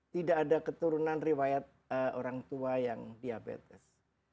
tidak ada keturunan riwayat orang tua yang diabetes